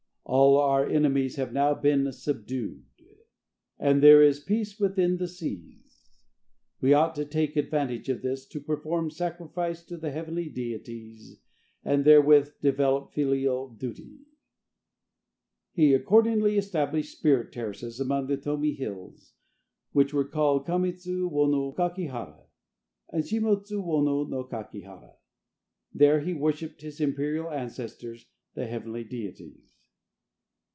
All our enemies have now been subdued, and there is peace within the seas. We ought to take advantage of this to perform sacrifice to the heavenly deities, and therewith develop filial duty." He accordingly established spirit terraces among the Tomi hills, which were called Kami tsu wono no Kaki hara and Shimo tsu wono no Kaki hara. There he worshipped his imperial ancestors, the heavenly deities.